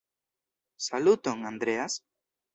Saluton, Andreas!